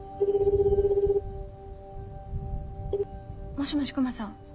もしもしクマさん